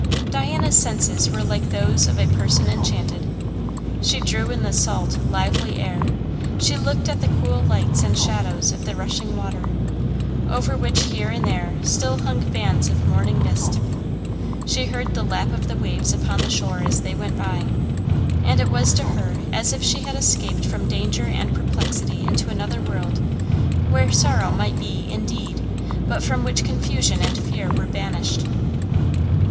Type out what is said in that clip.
Diana's senses were like those of a person enchanted. She drew in the salt, lively air; she looked at the cool lights and shadows of the rushing water, over which here and there still hung bands of morning mist; she heard the lap of the waves upon the shore as they went by; and it was to her as if she had escaped from danger and perplexity into another world, where sorrow might be, indeed, but from which confusion and fear were banished.